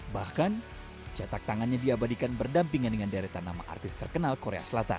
bahkan cetak tangannya diabadikan berdampingan dengan deretan nama artis terkenal korea selatan